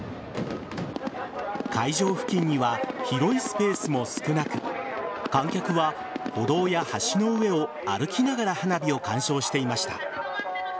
会場付近には広いスペースも少なく観客は、歩道や橋の上を歩きながら花火を鑑賞していました。